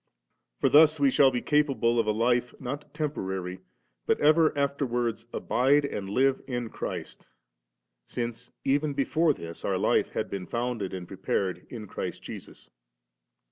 For thus we shall be capable of a life not temporary, but ever afterwards abide* and live in Christ; since even before this our life had been founded and prepared in Christ Jesus.